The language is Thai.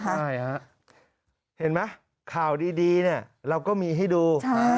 ใช่ฮะเห็นไหมข่าวดีเนี่ยเราก็มีให้ดู